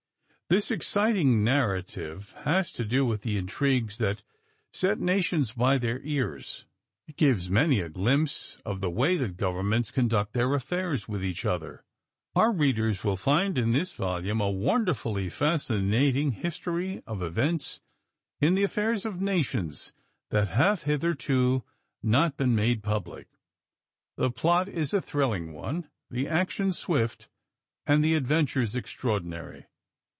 This exciting narrative has to do with the intrigues that set nations by the ears. It gives many a glimpse of the way that governments conduct their affairs with each other. Our readers will find in this volume a won derfully fascinating history of events in the af fairs of nations that have hitherto not been made public. The plot is a thrilling one, the action swift and the adventures extraordinary.